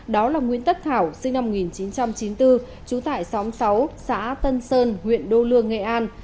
đó là nguyễn tất thảo sinh năm một nghìn chín trăm chín mươi bốn trú tại xóm sáu xã tân sơn huyện đô lương nghệ an